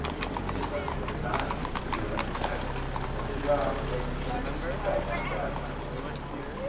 He did nothing of the kind. He remained fat, and his round, red cheeks shone like ripe apples.